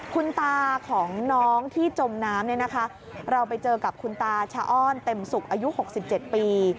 คุณตาของน้องที่จมน้ำเนี่ยนะคะเราไปเจอกับคุณตาชะอ้อนเต็มสุขอายุ๖๗ปี